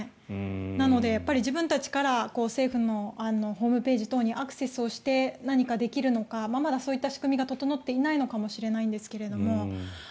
なので、自分たちから政府のホームページ等にアクセスをして、何かできるのかまだ、そういった仕組みが整っていないかもしれないんですが。